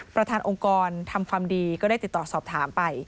ประธานองค์กรทำความดีก็ได้ติดต่อสอบถามไป